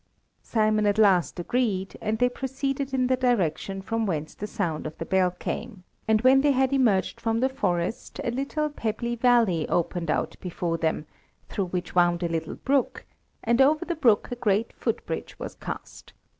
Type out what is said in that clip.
Simon at last agreed, and they proceeded in the direction from whence the sound of the bell came, and when they had emerged from the forest a little pebbly valley opened out before them, through which wound a little brook, and over the brook a great footbridge was cast.